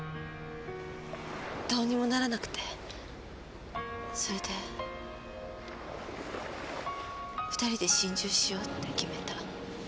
どうにもならなくてそれで。二人で心中しようって決めた。